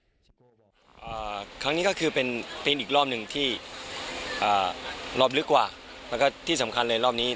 ครูบอกครั้งนี้ก็คือเป็นอีกรอบหนึ่งที่รอบลึกกว่าแล้วก็ที่สำคัญเลยรอบนี้